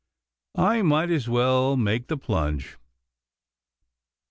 I might as well make the plunge.